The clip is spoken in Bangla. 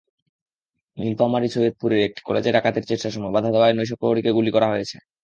নীলফামারী সৈয়দপুরে একটি কলেজে ডাকাতির চেষ্টার সময় বাধা দেওয়ায় নৈশপ্রহরীকে গুলি করা হয়েছে।